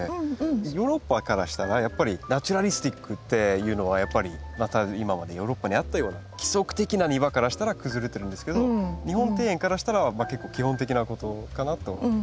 ヨーロッパからしたらやっぱりナチュラリスティックっていうのはやっぱりまた今までヨーロッパにあったような規則的な庭からしたら崩れてるんですけど日本庭園からしたら結構基本的なことかなと。